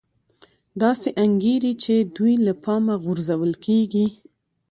داسې انګېري چې دوی له پامه غورځول کېږي